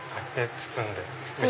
包んで。